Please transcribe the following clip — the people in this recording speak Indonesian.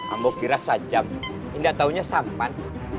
ambo kira sajam indah taunya sampan